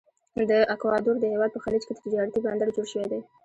د اکوادور د هیواد په خلیج کې تجارتي بندر جوړ شوی دی.